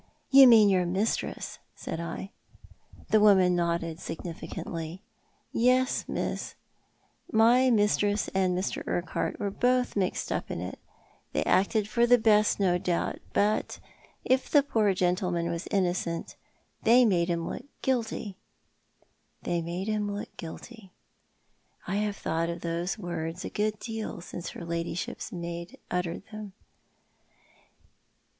" You mean your mistress," said I. The woman nodded significantly. " Yes, miss, my mistress and Mr. Urquhart were both mixed up in it. They acted for the best, no doubt — but if the poor gentleman was innocent they made him look guilty." They made him look guilty. I have thought of those words a good deal since her ladyship's maid uttered them.